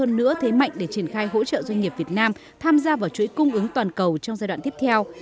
bộ công thương cũng nữa thế mạnh để triển khai hỗ trợ doanh nghiệp việt nam tham gia vào chuỗi cung ứng toàn cầu trong giai đoạn tiếp theo